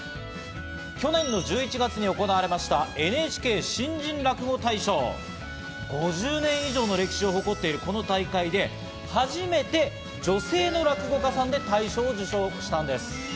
去年の１１月に行われましたＮＨＫ新人落語大賞、５０年以上の歴史を誇っているこの大会で初めて女性の落語家さんで大賞を受賞したんです。